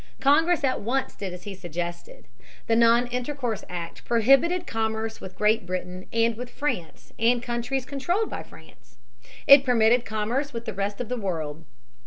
Congress at once did as he suggested. The Non Intercourse Act prohibited commerce with Great Britain and with France and the countries controlled by France. It permitted commerce with the rest of the world.